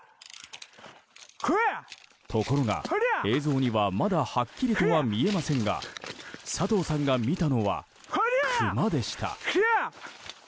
ところが、映像にはまだはっきりとは見えませんが佐藤さんが見たのはクマでした。